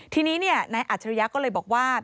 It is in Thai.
ทีนี้นายอัจทรยภัยบอกว่า